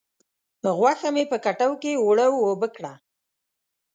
غوښه مې په کټو کې اوړه و اوبه کړه.